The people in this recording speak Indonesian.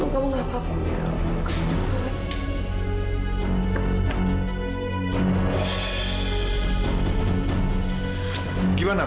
kamu udah selesai